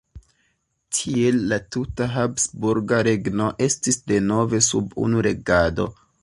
Tiel la tuta habsburga regno estis denove sub unu regado.